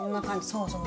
そうそう。